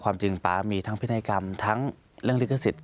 ความจริงป๊ามีทั้งพินัยกรรมทั้งเรื่องลิขสิทธิ